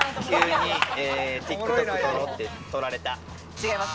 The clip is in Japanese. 違います